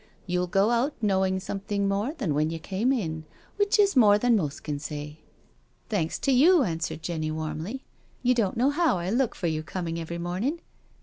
You'll go out knowing something more than when you came in, which is more than most can say." " Thanks to you," answered Jenny warmly. " You don't know how I look for your coming every morning.